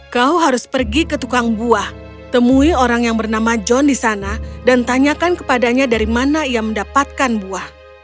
kau harus pergi ke tukang buah temui orang yang bernama john di sana dan tanyakan kepadanya dari mana ia mendapatkan buah